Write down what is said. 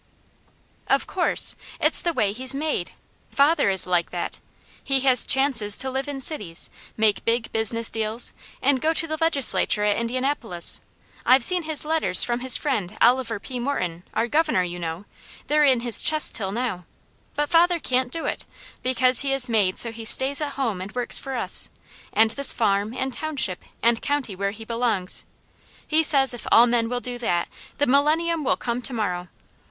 "Of course! It's the way he's MADE! Father is like that! He has chances to live in cities, make big business deals, and go to the legislature at Indianapolis; I've seen his letters from his friend Oliver P. Morton, our Governor, you know; they're in his chest till now; but father can't do it, because he is made so he stays at home and works for us, and this farm, and township, and county where he belongs. He says if all men will do that the millennium will come to morrow.